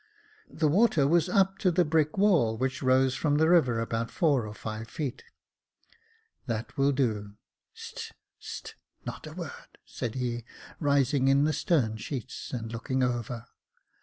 The water was up to the brick wall, which rose from the river about four or five feet. " That will do, st —, st, — not a word," said he, rising in the stern sheets, and looking over.